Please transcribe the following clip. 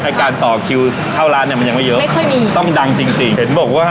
การต่อคิวเข้าร้านเนี้ยมันยังไม่เยอะต้องดังจริงจริงเห็นบอกว่า